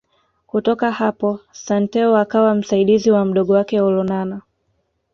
Kutoka hapo Santeu akawa msaidizi wa Mdogo wake Olonana